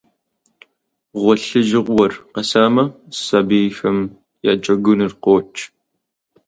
Гъуэлъыжыгъуэр къэсамэ, сабийхэм я джэгуныр къокӏ.